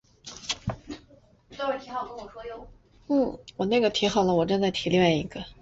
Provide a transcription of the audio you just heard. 他们的孩子最初被带到城市福利院。